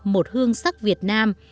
một hương sắc việt nam